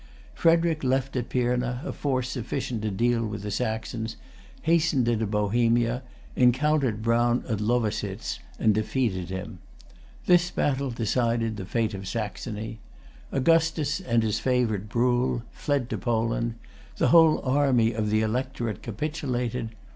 Frederic left at Pirna a force sufficient to deal with the Saxons, hastened into Bohemia, encountered Brown at Lowositz, and defeated him. This battle decided the fate of Saxony. Augustus and his favorite Bruhl fled to Poland. The whole army of the electorate capitulated.